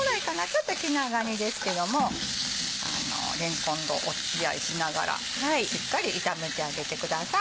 ちょっと気長にですけどもれんこんとお付き合いしながらしっかり炒めてあげてください。